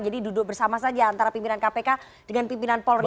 jadi duduk bersama saja antara pimpinan kpk dengan pimpinan polri